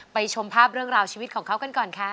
ชมภาพเรื่องราวชีวิตของเขากันก่อนค่ะ